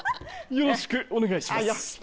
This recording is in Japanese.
よろしくお願いします。